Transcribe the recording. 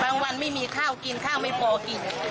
วันไม่มีข้าวกินข้าวไม่พอกิน